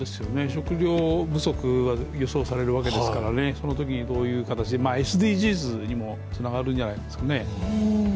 食糧不足は予想されるわけですからねそのときにどういう形で、ＳＤＧｓにもつながるんじゃないですかね。